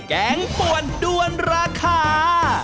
แกงป่วนด้วนราคา